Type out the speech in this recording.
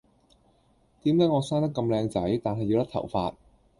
點解我生得咁靚仔，但係要甩頭髮